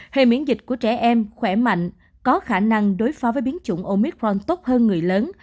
hay miễn dịch của trẻ em khỏe mạnh có khả năng đối phó với biến chủng omitron tốt hơn người lớn